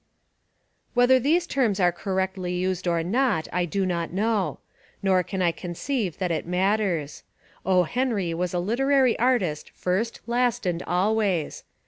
Whether these terms are correctly used or not I do not know. Nor can I conceive that it matters. O. Henry was a literary artist first, last and always.